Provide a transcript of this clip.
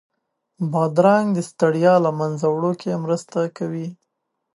بادرنګ د ستړیا له منځه وړو کې مرسته کوي.